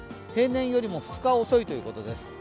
平年よりも２日遅いということです